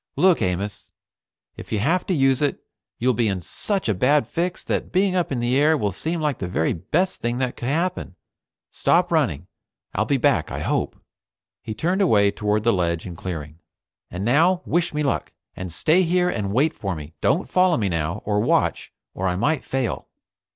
"Look, Amos. If you have to use it, you'll be in such a bad fix that being up in the air will seem like the very best thing that could happen. Stop running. I'll be back I hope." He turned away toward the ledge and clearing. "And now, wish me luck, and stay here and wait for me. Don't follow me now, or watch, or I might fail."